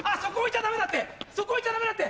そこ置いちゃダメだって！